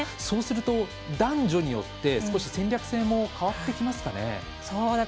そうすると、男女によって少し戦略性も変わってきますかね。